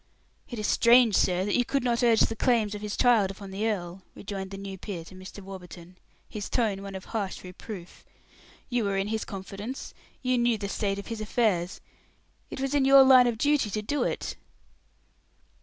"It is strange, sir, that you could not urge the claims of his child upon the earl," rejoined the new peer to Mr. Warburton, his tone one of harsh reproof. "You were in his confidence; you knew the state of his affairs; it was in your line of duty to do it."